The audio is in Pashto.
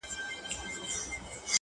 په ځان کي ننوتم «هو» ته چي سجده وکړه,